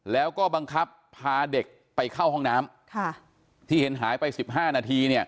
แล้วก็บังคับพาเด็กไปเข้าห้องน้ำที่เห็นหายไป๑๕นาทีเนี่ย